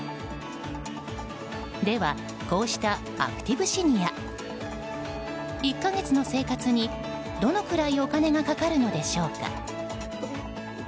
では、こうしたアクティブシニア１か月の生活に、どのくらいお金がかかるのでしょうか。